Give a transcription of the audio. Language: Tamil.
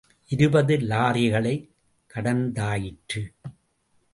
இருபது லாரிகளைக் கடந்தாயிற்று.